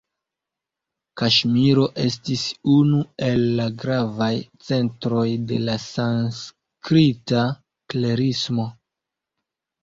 Kaŝmiro estis unu el la gravaj centroj de la sanskrita klerismo.